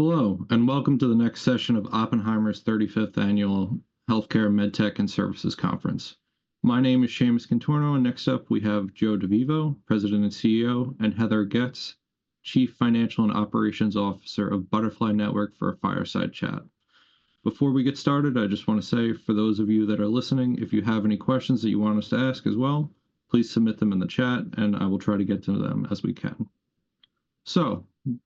Hello, and welcome to the next session of Oppenheimer's 35th Annual Healthcare MedTech & Services Conference. My name is Shaymus Contorno, and next up we have Joe DeVivo, President and CEO, and Heather Getz, Chief Financial and Operations Officer of Butterfly Network for a Fireside Chat. Before we get started, I just want to say, for those of you that are listening, if you have any questions that you want us to ask as well, please submit them in the chat, and I will try to get to them as we can.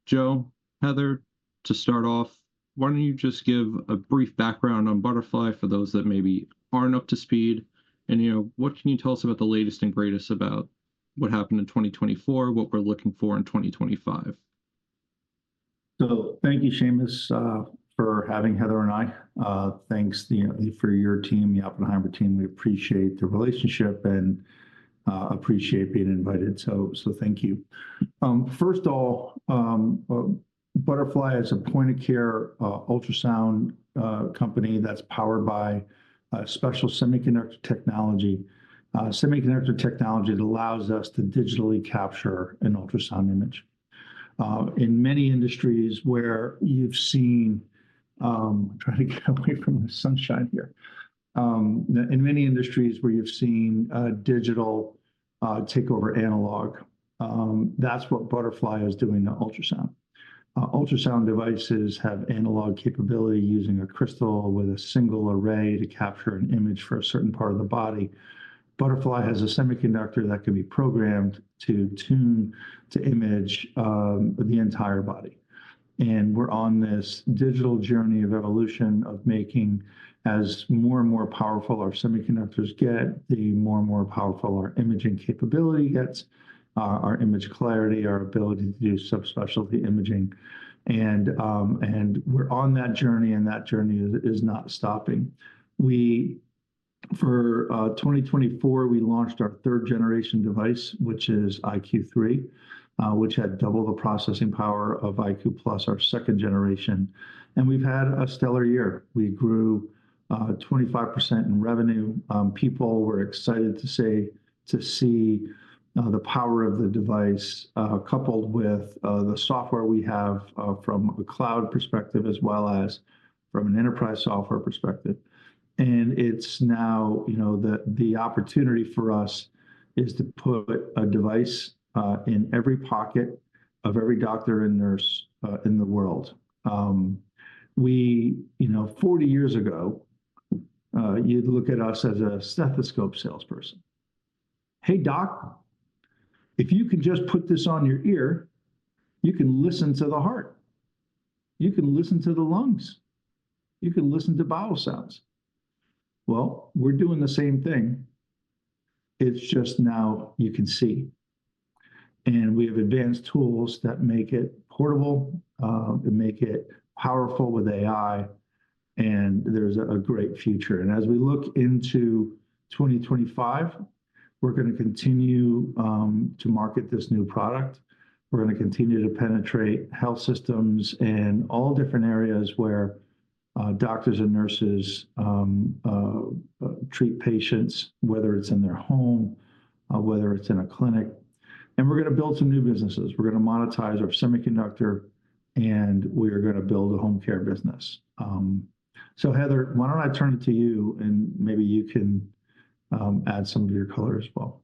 Joe, Heather, to start off, why don't you just give a brief background on Butterfly for those that maybe aren't up to speed? You know, what can you tell us about the latest and greatest about what happened in 2024, what we're looking for in 2025? Thank you, Shaymus, for having Heather and I. Thanks, you know, for your team, the Oppenheimer team. We appreciate the relationship and appreciate being invited. Thank you. First of all, Butterfly is a point-of-care ultrasound company that's powered by special semiconductor technology, semiconductor technology that allows us to digitally capture an ultrasound image. In many industries where you've seen, I'm trying to get away from the sunshine here, in many industries where you've seen digital take over analog, that's what Butterfly is doing to ultrasound. Ultrasound devices have analog capability using a crystal with a single array to capture an image for a certain part of the body. Butterfly has a semiconductor that can be programmed to tune to image the entire body. We're on this digital journey of evolution of making, as more and more powerful our semiconductors get, the more and more powerful our imaging capability gets, our image clarity, our ability to do subspecialty imaging. We're on that journey, and that journey is not stopping. For 2024, we launched our third generation device, which is iQ3, which had double the processing power of iQ+ our second generation. We've had a stellar year. We grew 25% in revenue. People were excited to see the power of the device coupled with the software we have from a cloud perspective, as well as from an enterprise software perspective. It's now, you know, the opportunity for us is to put a device in every pocket of every doctor and nurse in the world. You know, 40 years ago, you'd look at us as a stethoscope salesperson. Hey, doc, if you can just put this on your ear, you can listen to the heart. You can listen to the lungs. You can listen to bowel sounds. We are doing the same thing. It is just now you can see. We have advanced tools that make it portable, make it powerful with AI, and there is a great future. As we look into 2025, we are going to continue to market this new product. We are going to continue to penetrate health systems in all different areas where doctors and nurses treat patients, whether it is in their home or in a clinic. We are going to build some new businesses. We are going to monetize our semiconductor, and we are going to build a HomeCare business. Heather, why do I not turn it to you, and maybe you can add some of your color as well?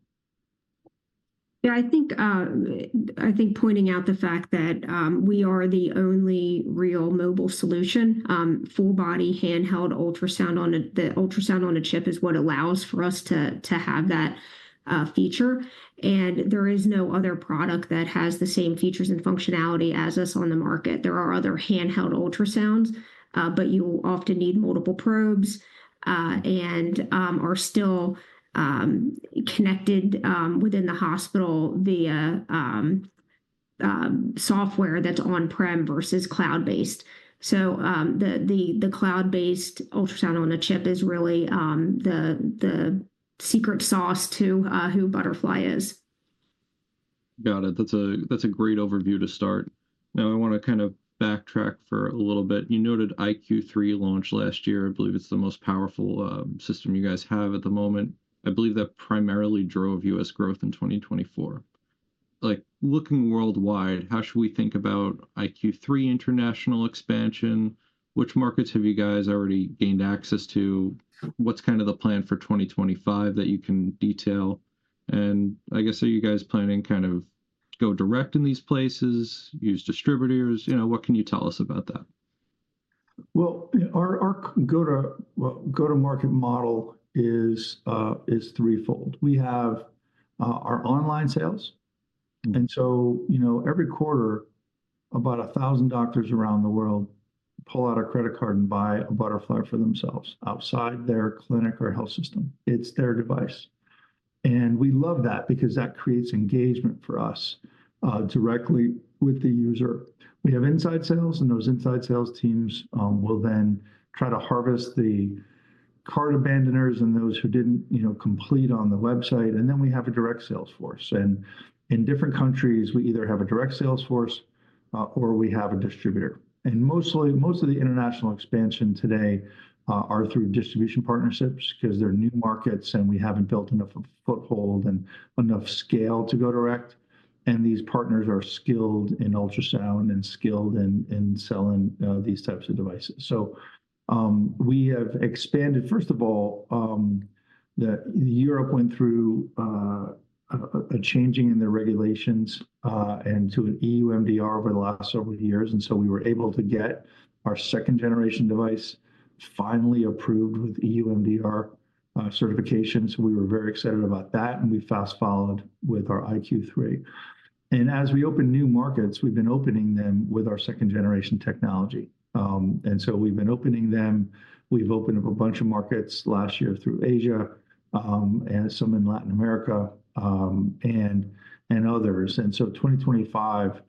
Yeah, I think pointing out the fact that we are the only real mobile solution, full body handheld ultrasound on the ultrasound on a chip is what allows for us to have that feature. There is no other product that has the same features and functionality as us on the market. There are other handheld ultrasounds, but you will often need multiple probes and are still connected within the hospital via software that's on-prem versus cloud-based. The cloud-based ultrasound on a chip is really the secret sauce to who Butterfly is. Got it. That's a great overview to start. Now, I want to kind of backtrack for a little bit. You noted iQ3 launched last year. I believe it's the most powerful system you guys have at the moment. I believe that primarily drove U.S. growth in 2024. Like, looking worldwide, how should we think about iQ3 international expansion? Which markets have you guys already gained access to? What's kind of the plan for 2025 that you can detail? I guess, are you guys planning kind of go direct in these places, use distributors? You know, what can you tell us about that? Our go-to-market model is threefold. We have our online sales. And so, you know, every quarter, about 1,000 doctors around the world pull out a credit card and buy a Butterfly for themselves outside their clinic or health system. It's their device. We love that because that creates engagement for us directly with the user. We have inside sales, and those inside sales teams will then try to harvest the cart abandoners and those who didn't, you know, complete on the website. We have a direct sales force. In different countries, we either have a direct sales force or we have a distributor. Mostly, most of the international expansion today are through distribution partnerships because they're new markets and we haven't built enough of a foothold and enough scale to go direct. These partners are skilled in ultrasound and skilled in selling these types of devices. We have expanded. First of all, Europe went through a changing in their regulations and to an EU MDR over the last several years. We were able to get our second-generation device finally approved with EU MDR certifications. We were very excited about that, and we fast followed with our iQ3. As we open new markets, we've been opening them with our second-generation technology. We've been opening them. We've opened up a bunch of markets last year through Asia and some in Latin America and others. In 2025,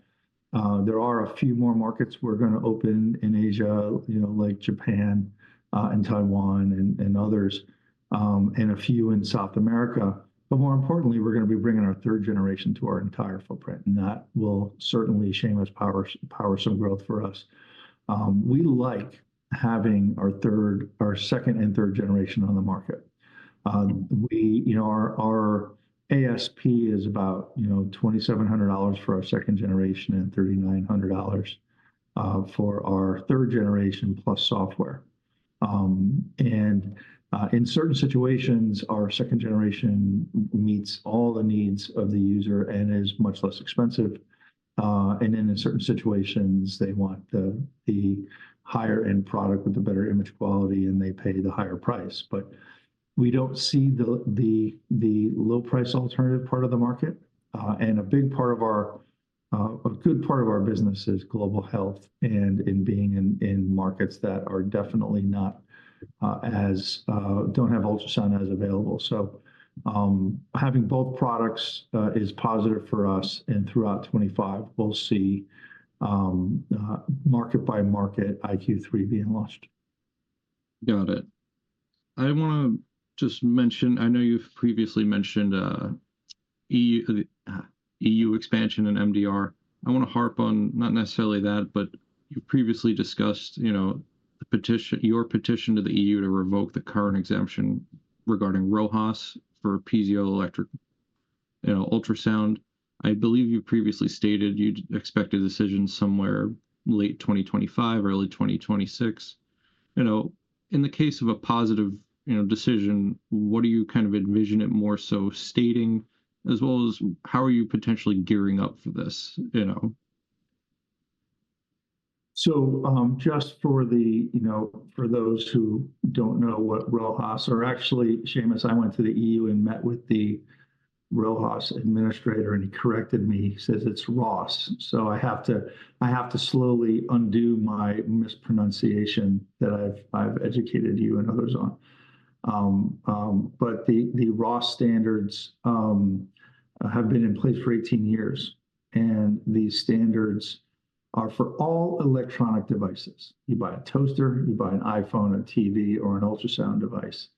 there are a few more markets we're going to open in Asia, you know, like Japan and Taiwan and others and a few in South America. More importantly, we're going to be bringing our third generation to our entire footprint. That will certainly, you know, power some growth for us. We like having our second and third generation on the market. We, you know, our ASP is about, you know, $2,700 for our second generation and $3,900 for our third generation plus software. In certain situations, our second generation meets all the needs of the user and is much less expensive. In certain situations, they want the higher-end product with the better image quality, and they pay the higher price. We don't see the low-price alternative part of the market. A good part of our business is global health and in being in markets that are definitely not as, don't have ultrasound as available. Having both products is positive for us. Throughout 2025, we'll see market-by-market iQ3 being launched. Got it. I want to just mention, I know you've previously mentioned EU expansion and MDR. I want to harp on not necessarily that, but you previously discussed, you know, your petition to the EU to revoke the current exemption regarding RoHS for piezoelectric, you know, ultrasound. I believe you previously stated you expected a decision somewhere late 2025, early 2026. You know, in the case of a positive, you know, decision, what do you kind of envision it more so stating, as well as how are you potentially gearing up for this, you know? Just for those who do not know what RoHS are actually, Shaymus, I went to the EU and met with the RoHS administrator, and he corrected me. He says it is RoHS. I have to slowly undo my mispronunciation that I have educated you and others on. The RoHS standards have been in place for 18 years. These standards are for all electronic devices. You buy a toaster, you buy an iPhone, a TV, or an ultrasound device,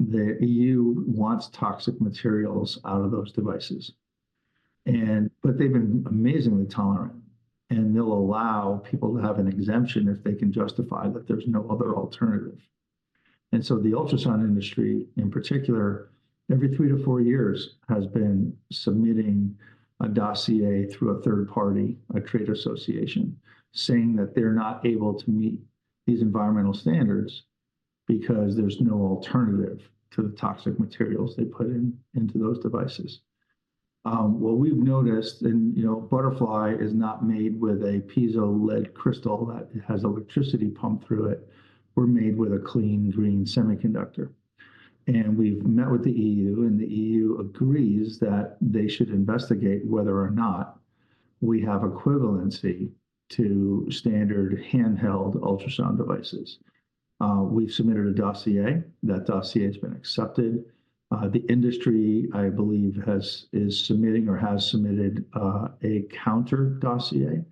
the EU wants toxic materials out of those devices. They have been amazingly tolerant. They will allow people to have an exemption if they can justify that there is no other alternative. The ultrasound industry in particular, every 3-4 years has been submitting a dossier through a third party, a trade association, saying that they're not able to meet these environmental standards because there's no alternative to the toxic materials they put into those devices. What we've noticed, and you know, Butterfly is not made with a piezoelectric crystal that has electricity pumped through it. We're made with a clean green semiconductor. We've met with the EU, and the EU agrees that they should investigate whether or not we have equivalency to standard handheld ultrasound devices. We've submitted a dossier. That dossier has been accepted. The industry, I believe, is submitting or has submitted a counter dossier.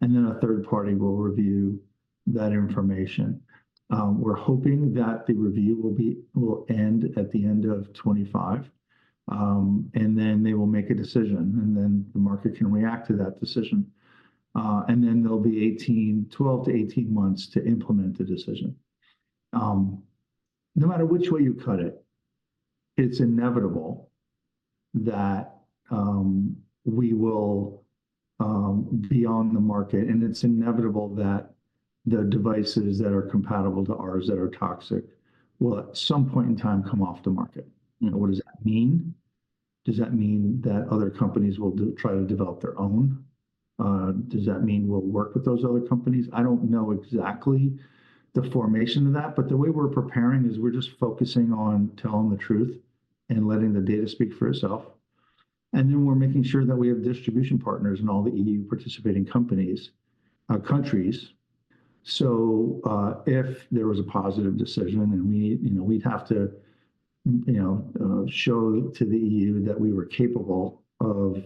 A third party will review that information. We're hoping that the review will end at the end of 2025. They will make a decision, and then the market can react to that decision. There will be 12-18 months to implement the decision. No matter which way you cut it, it is inevitable that we will be on the market. It is inevitable that the devices that are compatible to ours that are toxic will at some point in time come off the market. What does that mean? Does that mean that other companies will try to develop their own? Does that mean we will work with those other companies? I do not know exactly the formation of that, but the way we are preparing is we are just focusing on telling the truth and letting the data speak for itself. We are making sure that we have distribution partners in all the EU participating countries. If there was a positive decision, and we, you know, we'd have to, you know, show to the EU that we were capable of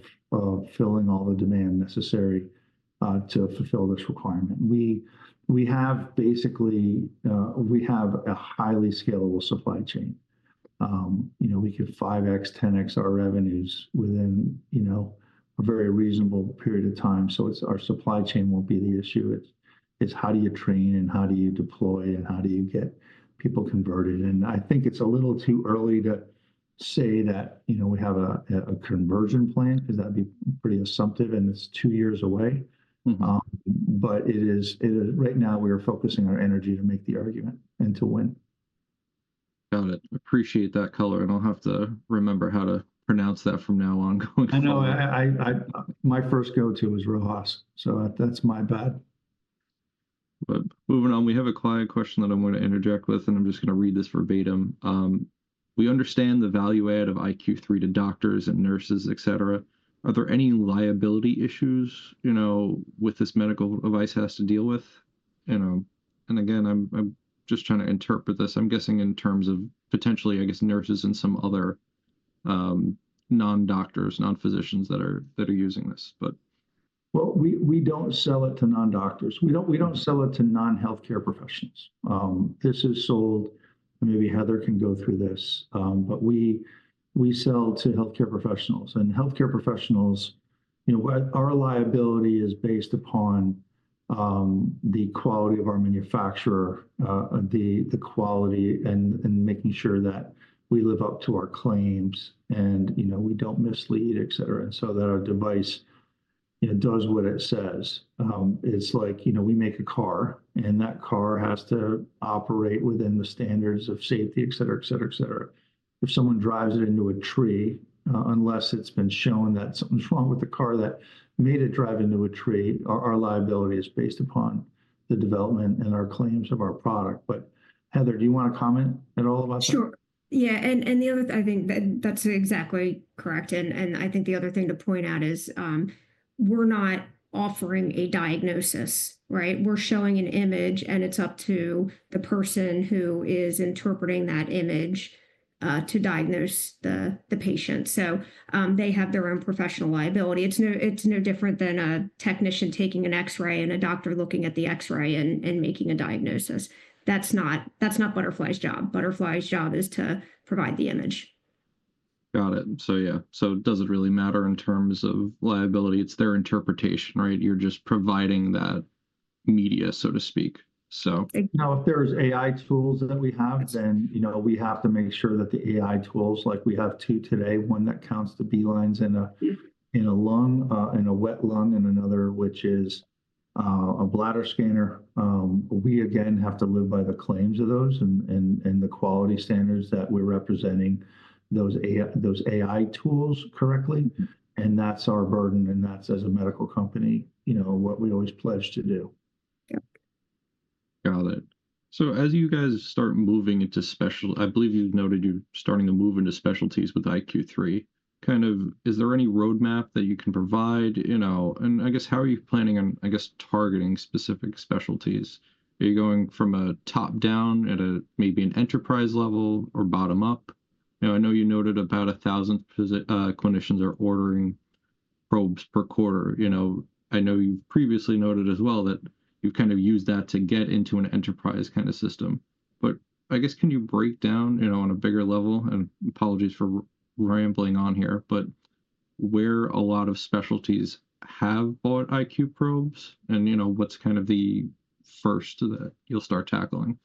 filling all the demand necessary to fulfill this requirement. We have basically, we have a highly scalable supply chain. You know, we could 5x, 10x our revenues within, you know, a very reasonable period of time. Our supply chain will not be the issue. It's how do you train and how do you deploy and how do you get people converted? I think it's a little too early to say that, you know, we have a conversion plan because that would be pretty assumptive and it's two years away. Right now, we are focusing our energy to make the argument and to win. Got it. Appreciate that color. I'll have to remember how to pronounce that from now on going forward. I know my first go-to is RoHS. That's my bad. Moving on, we have a client question that I'm going to interject with, and I'm just going to read this verbatim. We understand the value add of iQ3 to doctors and nurses, etc. Are there any liability issues, you know, with this medical device has to deal with? Again, I'm just trying to interpret this. I'm guessing in terms of potentially, I guess, nurses and some other non-doctors, non-physicians that are using this, but. We do not sell it to non-doctors. We do not sell it to non-healthcare professionals. This is sold, and maybe Heather can go through this, but we sell to healthcare professionals. And healthcare professionals, you know, our liability is based upon the quality of our manufacturer, the quality and making sure that we live up to our claims and, you know, we do not mislead, et cetera. And so that our device, you know, does what it says. It is like, you know, we make a car and that car has to operate within the standards of safety, etc. If someone drives it into a tree, unless it has been shown that something is wrong with the car that made it drive into a tree, our liability is based upon the development and our claims of our product. But Heather, do you want to comment at all about that? Sure. Yeah. I think that's exactly correct. I think the other thing to point out is we're not offering a diagnosis, right? We're showing an image, and it's up to the person who is interpreting that image to diagnose the patient. They have their own professional liability. It's no different than a technician taking an X-ray and a doctor looking at the X-ray and making a diagnosis. That's not Butterfly's job. Butterfly's job is to provide the image. Got it. Yeah. Does it really matter in terms of liability? It's their interpretation, right? You're just providing that media, so to speak. Now, if there's AI tools that we have, then, you know, we have to make sure that the AI tools, like we have two today, one that counts the B-lines in a lung, in a wet lung, and another, which is a bladder scanner. We, again, have to live by the claims of those and the quality standards that we're representing those AI tools correctly. That's our burden. That's, as a medical company, you know, what we always pledge to do. Yeah. Got it. As you guys start moving into special, I believe you've noted you're starting to move into specialties with iQ3. Kind of, is there any roadmap that you can provide, you know, and I guess how are you planning on, I guess, targeting specific specialties? Are you going from a top-down at a maybe an enterprise level or bottom up? You know, I know you noted about 1,000 clinicians are ordering probes per quarter. You know, I know you've previously noted as well that you've kind of used that to get into an enterprise kind of system. I guess, can you break down, you know, on a bigger level, and apologies for rambling on here, but where a lot of specialties have bought iQ probes and, you know, what's kind of the first that you'll start tackling?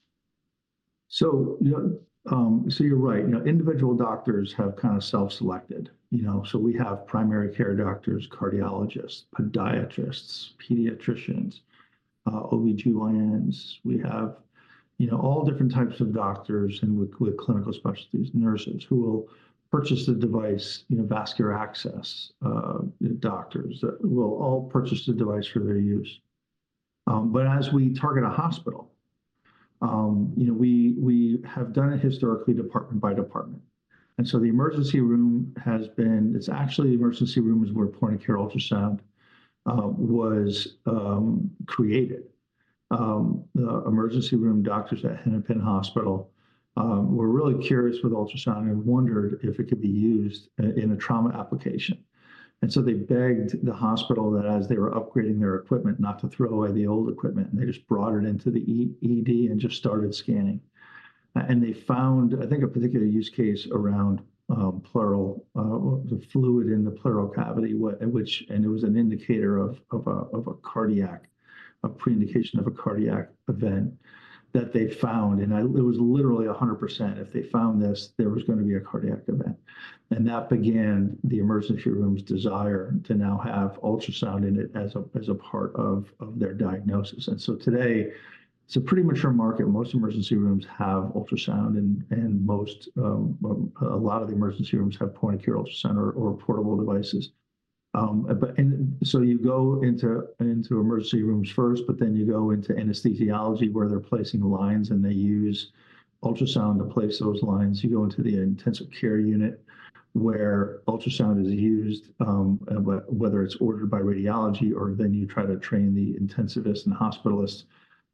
You know, you're right. You know, individual doctors have kind of self-selected, you know. We have primary care doctors, cardiologists, podiatrists, pediatricians, OB/GYNs. We have, you know, all different types of doctors and with clinical specialties, nurses who will purchase the device, you know, vascular access doctors that will all purchase the device for their use. As we target a hospital, you know, we have done it historically department by department. The emergency room has been, it's actually the emergency room is where point-of-care ultrasound was created. The emergency room doctors at Hennepin Healthcare were really curious with ultrasound and wondered if it could be used in a trauma application. They begged the hospital that as they were upgrading their equipment, not to throw away the old equipment. They just brought it into the ED and just started scanning. They found, I think, a particular use case around pleural, the fluid in the pleural cavity, which, and it was an indicator of a cardiac, a pre-indication of a cardiac event that they found. It was literally 100% if they found this, there was going to be a cardiac event. That began the emergency room's desire to now have ultrasound in it as a part of their diagnosis. Today, it's a pretty mature market. Most emergency rooms have ultrasound and most, a lot of the emergency rooms have point-of-care ultrasound or portable devices. You go into emergency rooms first, then you go into anesthesiology where they're placing lines and they use ultrasound to place those lines. You go into the intensive care unit where ultrasound is used, whether it's ordered by radiology or then you try to train the intensivists and hospitalists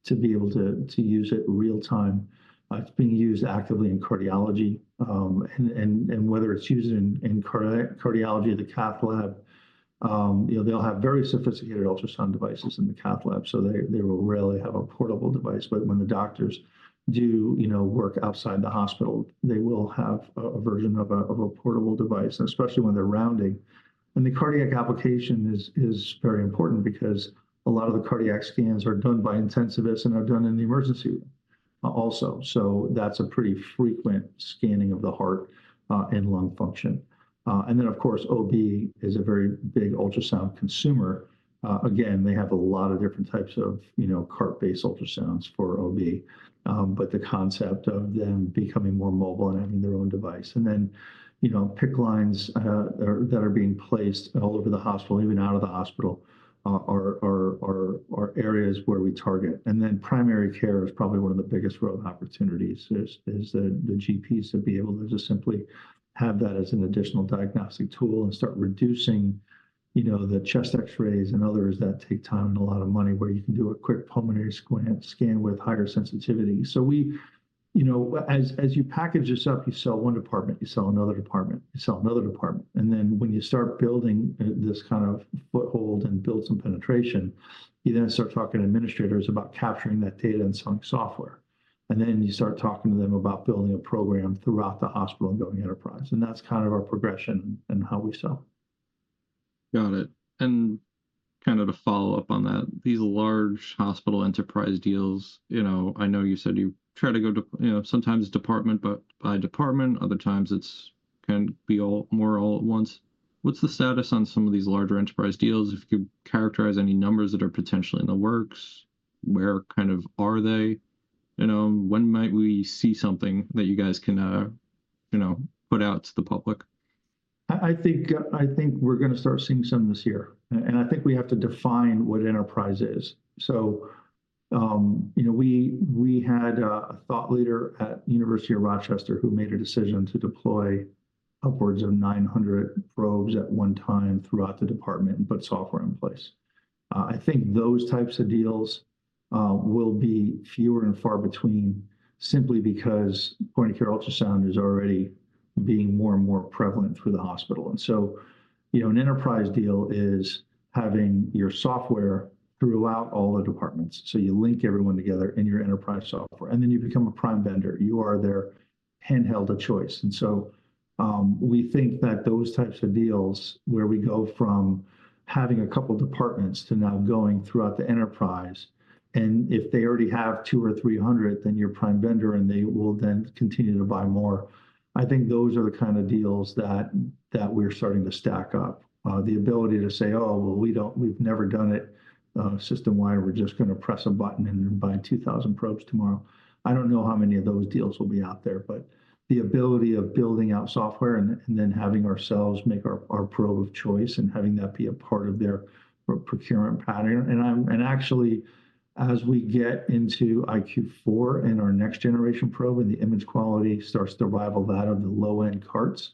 to be able to use it real time. It's being used actively in cardiology. Whether it's used in cardiology, the cath lab, you know, they'll have very sophisticated ultrasound devices in the cath lab. They will rarely have a portable device. When the doctors do, you know, work outside the hospital, they will have a version of a portable device, especially when they're rounding. The cardiac application is very important because a lot of the cardiac scans are done by intensivists and are done in the emergency room also. That's a pretty frequent scanning of the heart and lung function. Of course, OB is a very big ultrasound consumer. Again, they have a lot of different types of, you know, cart-based ultrasounds for OB, but the concept of them becoming more mobile and having their own device. And then, you know, PICC lines that are being placed all over the hospital, even out of the hospital, are areas where we target. And then primary care is probably one of the biggest growth opportunities is the GPs to be able to just simply have that as an additional diagnostic tool and start reducing, you know, the chest X-rays and others that take time and a lot of money where you can do a quick pulmonary scan with higher sensitivity. As you package this up, you sell one department, you sell another department, you sell another department. When you start building this kind of foothold and build some penetration, you then start talking to administrators about capturing that data and selling software. You start talking to them about building a program throughout the hospital and going enterprise. That's kind of our progression and how we sell. Got it. Kind of to follow up on that, these large hospital enterprise deals, you know, I know you said you try to go to, you know, sometimes department by department, other times it can be all more all at once. What's the status on some of these larger enterprise deals? If you could characterize any numbers that are potentially in the works, where kind of are they, you know, when might we see something that you guys can, you know, put out to the public? I think we're going to start seeing some this year. I think we have to define what enterprise is. You know, we had a thought leader at the University of Rochester who made a decision to deploy upwards of 900 probes at one time throughout the department, put software in place. I think those types of deals will be fewer and far between simply because point-of-care ultrasound is already being more and more prevalent through the hospital. You know, an enterprise deal is having your software throughout all the departments. You link everyone together in your enterprise software. Then you become a prime vendor. You are their handheld of choice. We think that those types of deals where we go from having a couple of departments to now going throughout the enterprise, and if they already have 200 or 300, then you're prime vendor and they will then continue to buy more. I think those are the kind of deals that we're starting to stack up. The ability to say, "Oh, well, we don't, we've never done it system-wide. We're just going to press a button and buy 2,000 probes tomorrow." I don't know how many of those deals will be out there, but the ability of building out software and then having ourselves make our probe of choice and having that be a part of their procurement pattern. Actually, as we get into iQ4 and our next generation probe and the image quality starts to rival that of the low-end carts,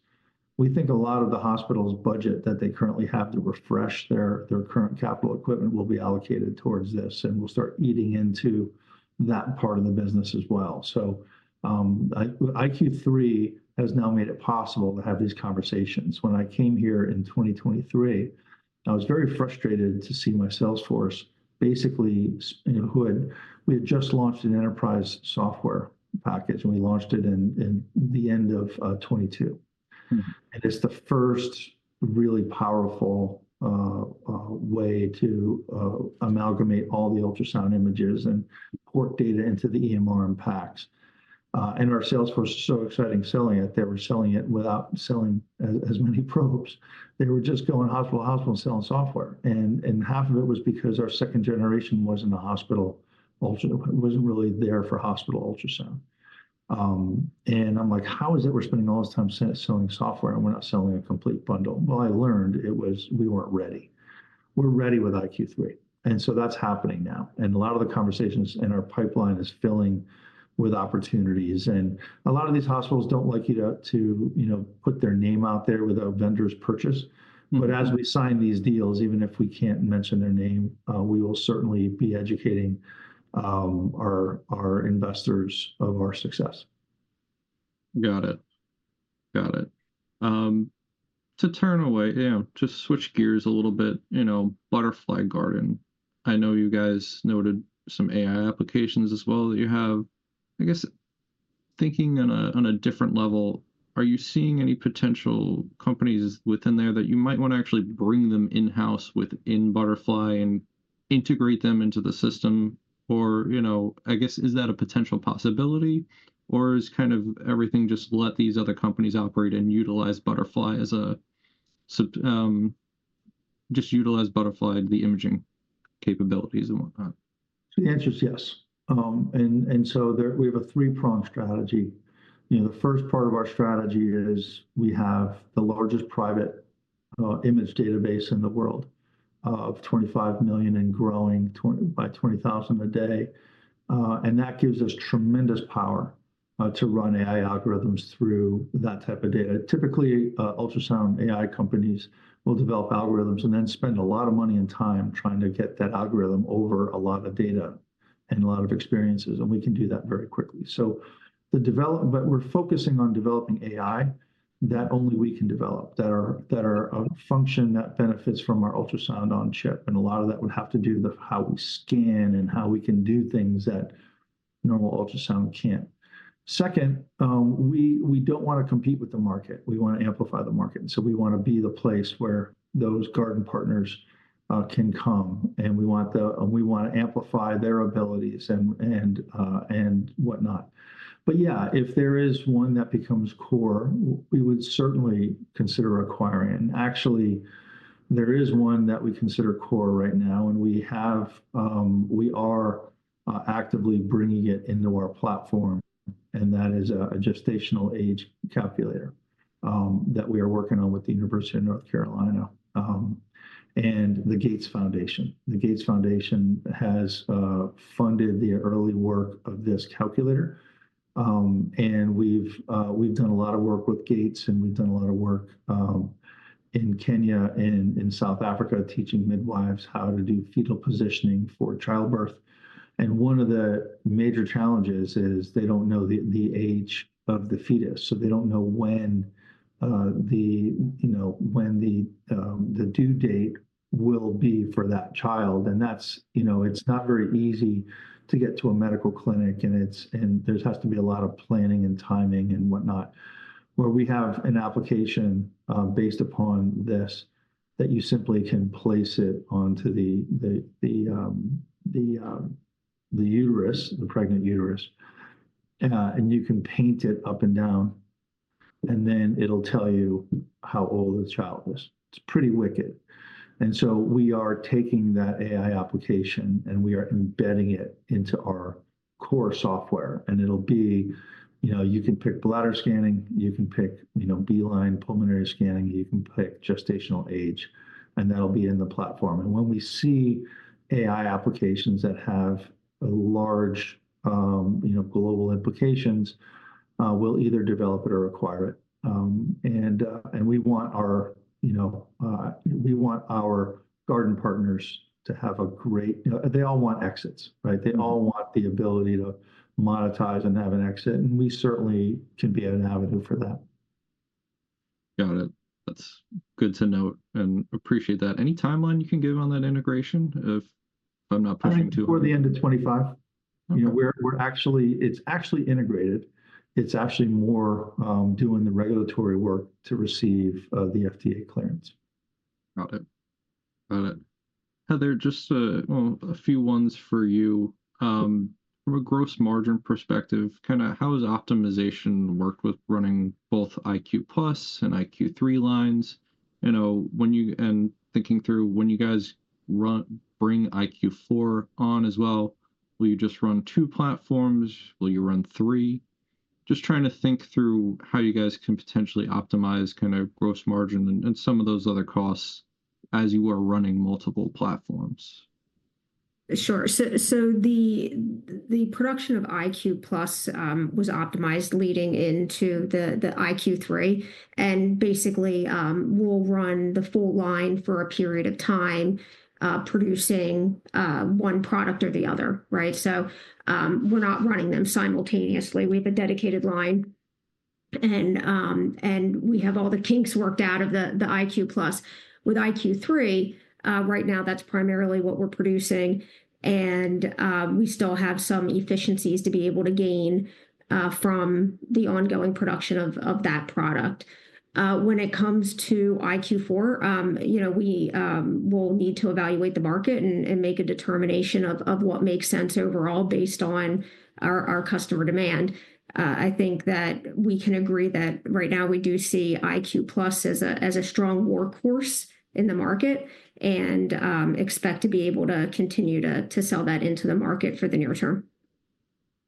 we think a lot of the hospitals' budget that they currently have to refresh their current capital equipment will be allocated towards this and will start eating into that part of the business as well. iQ3 has now made it possible to have these conversations. When I came here in 2023, I was very frustrated to see my sales force basically, you know, who had, we had just launched an enterprise software package and we launched it in the end of 2022. It is the first really powerful way to amalgamate all the ultrasound images and port data into the EMR and PACS. Our sales force is so excited selling it. They were selling it without selling as many probes. They were just going hospital to hospital and selling software. Half of it was because our second generation was not really there for hospital ultrasound. I am like, how is it we are spending all this time selling software and we are not selling a complete bundle? I learned it was, we were not ready. We are ready with iQ3. That is happening now. A lot of the conversations in our pipeline are filling with opportunities. A lot of these hospitals do not like you to, you know, put their name out there with a vendor's purchase. As we sign these deals, even if we cannot mention their name, we will certainly be educating our investors of our success. Got it. Got it. To turn away, you know, just switch gears a little bit, you know, Butterfly Garden. I know you guys noted some AI applications as well that you have. I guess thinking on a different level, are you seeing any potential companies within there that you might want to actually bring them in-house within Butterfly and integrate them into the system? Or, you know, I guess is that a potential possibility or is kind of everything just let these other companies operate and utilize Butterfly as a, just utilize Butterfly to the imaging capabilities and whatnot? The answer is yes. We have a three-pronged strategy. You know, the first part of our strategy is we have the largest private image database in the world of 25 million and growing by 20,000 a day. That gives us tremendous power to run AI algorithms through that type of data. Typically, ultrasound AI companies will develop algorithms and then spend a lot of money and time trying to get that algorithm over a lot of data and a lot of experiences. We can do that very quickly. The development, but we're focusing on developing AI that only we can develop, that are a function that benefits from our ultrasound on a chip. A lot of that would have to do with how we scan and how we can do things that normal ultrasound cannot. Second, we do not want to compete with the market. We want to amplify the market. We want to be the place where those garden partners can come. We want to amplify their abilities and whatnot. If there is one that becomes core, we would certainly consider acquiring. Actually, there is one that we consider core right now. We are actively bringing it into our platform. That is a gestational age calculator that we are working on with the University of North Carolina and the Gates Foundation. The Gates Foundation has funded the early work of this calculator. We have done a lot of work with Gates and we have done a lot of work in Kenya and in South Africa teaching midwives how to do fetal positioning for childbirth. One of the major challenges is they do not know the age of the fetus. They do not know when the, you know, when the due date will be for that child. And that is, you know, it is not very easy to get to a medical clinic and it is, and there has to be a lot of planning and timing and whatnot. Where we have an application based upon this that you simply can place it onto the uterus, the pregnant uterus, and you can paint it up and down. Then it will tell you how old the child is. It is pretty wicked. We are taking that AI application and we are embedding it into our core software. It will be, you know, you can pick bladder scanning, you can pick, you know, B-line, pulmonary scanning, you can pick gestational age, and that will be in the platform. When we see AI applications that have a large, you know, global implications, we'll either develop it or acquire it. We want our, you know, we want our garden partners to have a great, they all want exits, right? They all want the ability to monetize and have an exit. We certainly can be an avenue for that. Got it. That's good to note and appreciate that. Any timeline you can give on that integration if I'm not pushing too hard? I think before the end of 2025, you know, we're actually, it's actually integrated. It's actually more doing the regulatory work to receive the FDA clearance. Got it. Got it. Heather, just a few ones for you. From a gross margin perspective, kind of how has optimization worked with running both iQ+ and iQ3 lines? You know, when you, and thinking through when you guys bring iQ4 on as well, will you just run two platforms? Will you run three? Just trying to think through how you guys can potentially optimize kind of gross margin and some of those other costs as you are running multiple platforms. Sure. The production of iQ+ was optimized leading into the iQ3. Basically, we will run the full line for a period of time producing one product or the other, right? We are not running them simultaneously. We have a dedicated line. We have all the kinks worked out of the iQ+. With iQ3, right now that is primarily what we are producing. We still have some efficiencies to be able to gain from the ongoing production of that product. When it comes to iQ4, you know, we will need to evaluate the market and make a determination of what makes sense overall based on our customer demand. I think that we can agree that right now we do see iQ+ as a strong workhorse in the market and expect to be able to continue to sell that into the market for the near term.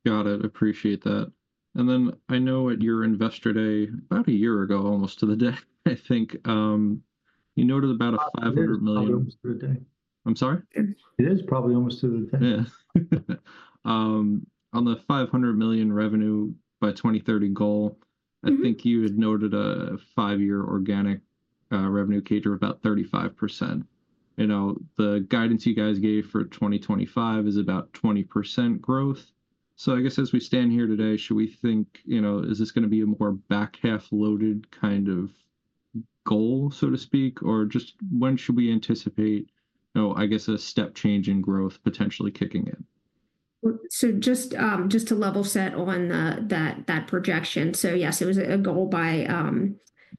Got it. Appreciate that. I know at your investor day, about a year ago almost to the day, I think, you noted about $500 million. It is probably almost to the day. I'm sorry? It is probably almost to the day. Yeah. On the $500 million revenue by 2030 goal, I think you had noted a five-year organic revenue CAGR of about 35%. You know, the guidance you guys gave for 2025 is about 20% growth. I guess as we stand here today, should we think, you know, is this going to be a more back half loaded kind of goal, so to speak, or just when should we anticipate, you know, I guess a step change in growth potentially kicking in? Just to level set on that projection. Yes, it was a goal by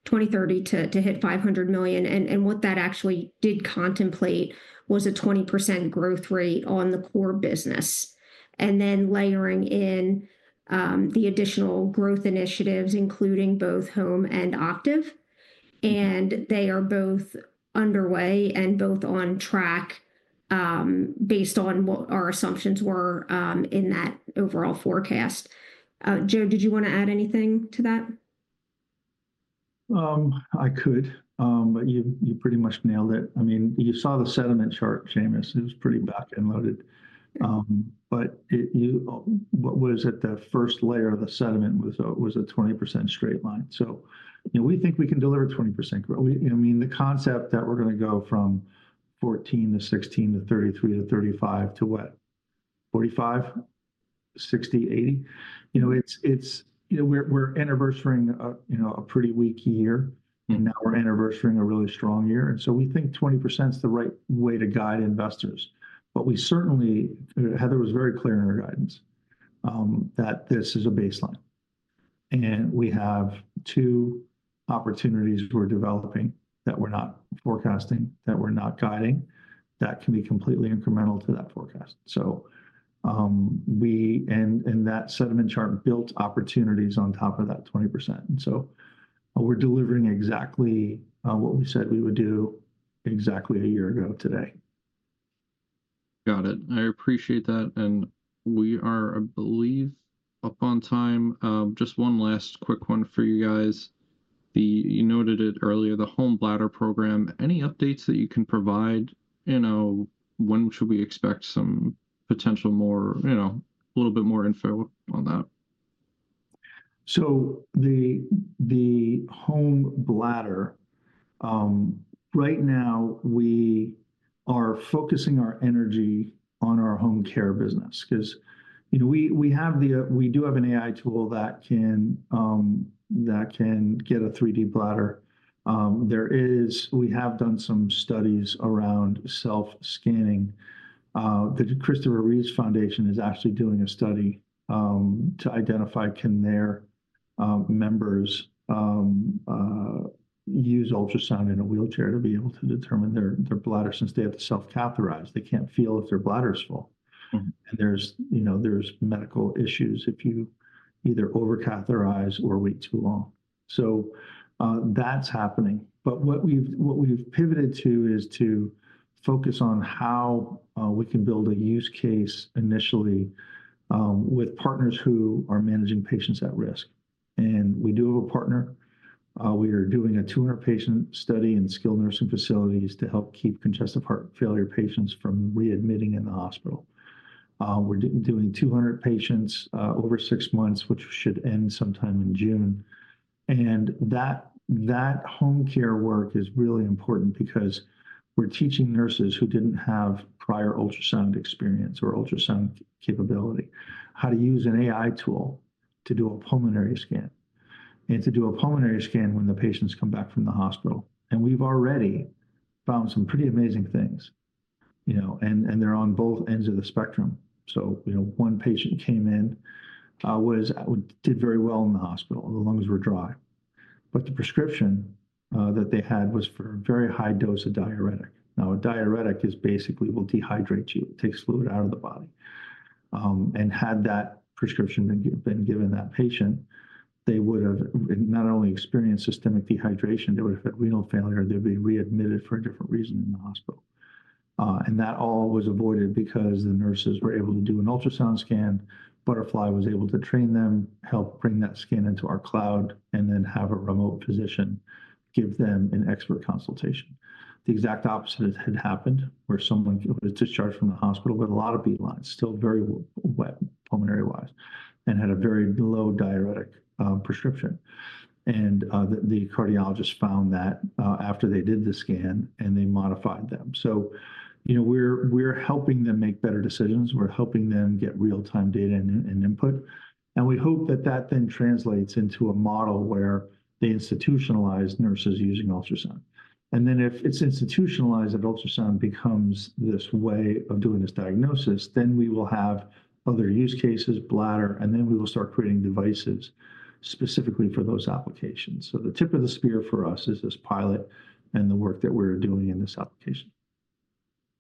2030 to hit $500 million. What that actually did contemplate was a 20% growth rate on the core business, and then layering in the additional growth initiatives, including both HomeCare and Octiv. They are both underway and both on track based on what our assumptions were in that overall forecast. Joe, did you want to add anything to that? I could, but you pretty much nailed it. I mean, you saw the sediment chart, Shaymus. It was pretty back and loaded. What was at the first layer of the sediment was a 20% straight line. You know, we think we can deliver 20% growth. I mean, the concept that we're going to go from 14-16 to 33-35 to what? 45, 60, 80? You know, we're anniversaring, you know, a pretty weak year. Now we're anniversaring a really strong year. We think 20% is the right way to guide investors. We certainly, Heather was very clear in her guidance that this is a baseline. We have two opportunities we're developing that we're not forecasting, that we're not guiding, that can be completely incremental to that forecast. We, and that sediment chart built opportunities on top of that 20%. We are delivering exactly what we said we would do exactly a year ago today. Got it. I appreciate that. We are, I believe, up on time. Just one last quick one for you guys. You noted it earlier, the home bladder program. Any updates that you can provide? You know, when should we expect some potential more, you know, a little bit more info on that? So, the home bladder, right now we are focusing our energy on our HomeCare business. Because, you know, we have the, we do have an AI tool that can get a 3D bladder. There is, we have done some studies around self-scanning. The Christopher & Dana Reeve Foundation is actually doing a study to identify can their members use ultrasound in a wheelchair to be able to determine their bladder since they have to self-catheterize. They can't feel if their bladder is full. And there's, you know, there's medical issues if you either over-catheterize or wait too long. That's happening. What we've pivoted to is to focus on how we can build a use case initially with partners who are managing patients at risk. We do have a partner. We are doing a 200-patient study in skilled nursing facilities to help keep congestive heart failure patients from readmitting in the hospital. We're doing 200 patients over six months, which should end sometime in June. That home care work is really important because we're teaching nurses who didn't have prior ultrasound experience or ultrasound capability how to use an AI tool to do a pulmonary scan. To do a pulmonary scan when the patients come back from the hospital. We've already found some pretty amazing things, you know, and they're on both ends of the spectrum. You know, one patient came in, did very well in the hospital. The lungs were dry. The prescription that they had was for a very high dose of diuretic. Now, a diuretic is basically will dehydrate you. It takes fluid out of the body. Had that prescription been given that patient, they would have not only experienced systemic dehydration, they would have had renal failure, they'd be readmitted for a different reason in the hospital. That all was avoided because the nurses were able to do an ultrasound scan. Butterfly was able to train them, help bring that scan into our cloud, and then have a remote physician give them an expert consultation. The exact opposite had happened where someone was discharged from the hospital with a lot of B-lines, still very wet pulmonary-wise, and had a very low diuretic prescription. The cardiologist found that after they did the scan and they modified them. You know, we're helping them make better decisions. We're helping them get real-time data and input. We hope that then translates into a model where they institutionalize nurses using ultrasound. If it's institutionalized that ultrasound becomes this way of doing this diagnosis, then we will have other use cases, bladder, and then we will start creating devices specifically for those applications. The tip of the spear for us is this pilot and the work that we're doing in this application.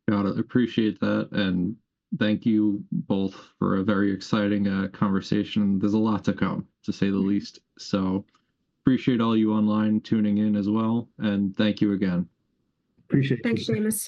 Got it. Appreciate that. Thank you both for a very exciting conversation. There is a lot to come, to say the least. Appreciate all you online tuning in as well. Thank you again. Appreciate you. Thanks, Shaymus.